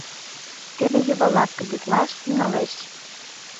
— Теве йывыла кыдетлаш тӱҥалеш.